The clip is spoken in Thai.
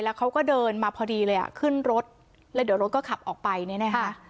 แล้วเขาก็เดินมาพอดีเลยอ่ะขึ้นรถแล้วเดี๋ยวรถก็ขับออกไปเนี่ยนะคะ